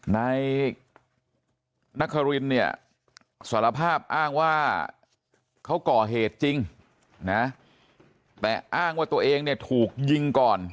นายนครินเนี่ยสารภาพอ้างว่าเขาก่อเหตุจริงนะแต่อ้างว่าตัวเองเนี่ยถูกยิงก่อน